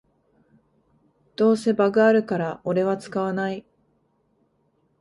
どうせバグあるからオレは使わない